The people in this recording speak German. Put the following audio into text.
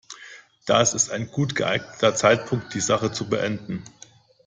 Das ist ein gut geeigneter Zeitpunkt, die Sache zu beenden.